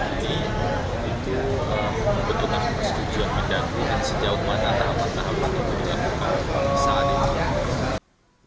untuk membutuhkan persetujuan mendagri dan sejauh mana tahap tahap untuk melakukan perbisaan ini